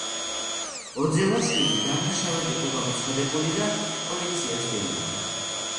ოძელაშვილი დამნაშავედ იყო გამოცხადებული და პოლიცია სდევნიდა.